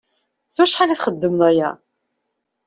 S wacḥal i txeddmeḍ aya?